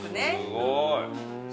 すごい。